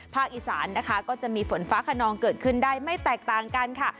อีสานนะคะก็จะมีฝนฟ้าขนองเกิดขึ้นได้ไม่แตกต่างกันค่ะ